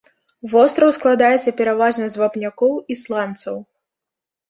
Востраў складаецца пераважна з вапнякоў і сланцаў.